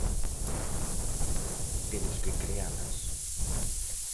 Temos que crealas.